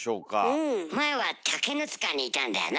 前は竹の塚にいたんだよな。